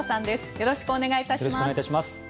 よろしくお願いします。